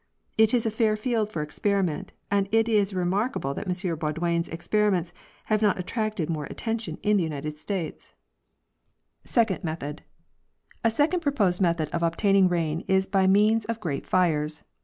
It is a fair field for experiment, and it is remarkable that M Baudouin's experiments have not attracted more atten tion in the United States. Rain making by Fires. 49 Second Method—A second proposed method of obtaining rain is by means of great fires.